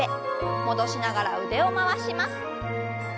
戻しながら腕を回します。